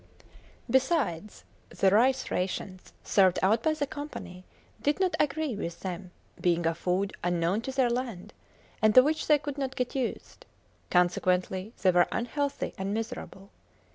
Besides, the rice rations served out by the Company did not agree with them, being a food unknown to their land, and to which they could not get used. Consequently they were unhealthy and miserable.